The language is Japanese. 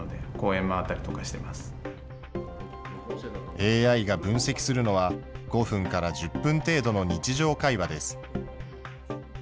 ＡＩが分析するのは、５分から１０分程度の日常会話です。